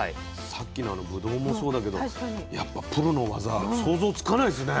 さっきのぶどうもそうだけどやっぱプロの技は想像つかないですね。